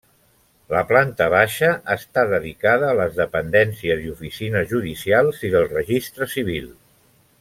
La planta baixa està dedicada a les dependències i oficines judicials i del registre civil.